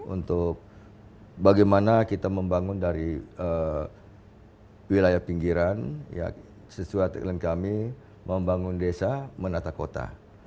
untuk bagaimana kita membangun dari wilayah pinggiran sesuai tagline kami membangun desa menata kota